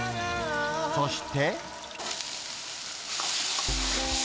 そして。